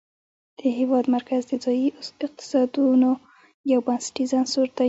د هېواد مرکز د ځایي اقتصادونو یو بنسټیز عنصر دی.